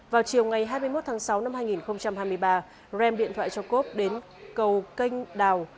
vào chiều ngày hai mươi một tháng sáu năm hai nghìn hai mươi ba rem điện thoại cho cope đến cầu canh đào